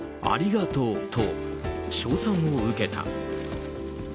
ありがとうと称賛を受けた。